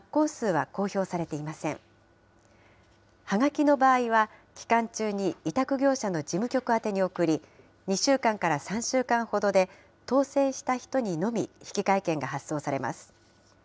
はがきの場合は、期間中に委託業者の事務局宛てに送り、２週間から３週間ほどで、当せんした人にのみ引換券が発送されます。